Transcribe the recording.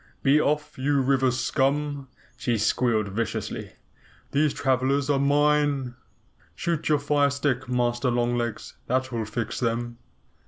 Be off, you river scum!" she squealed viciously. "These travelers are MINE. Shoot your fire stick, Master Long Legs. That will fix them."